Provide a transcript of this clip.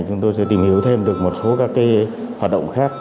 chúng tôi sẽ tìm hiểu thêm được một số các hoạt động khác